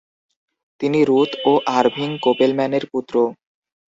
তিনি রূৎ ও আরভিং কোপেলম্যানের পুত্র।